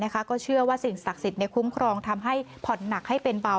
ก็เชื่อว่าสิ่งศักดิ์สิทธิ์คุ้มครองทำให้ผ่อนหนักให้เป็นเบา